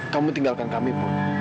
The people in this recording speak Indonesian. kamu tinggalkan kami bu